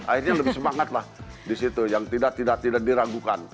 akhirnya lebih semangat lah di situ yang tidak tidak diragukan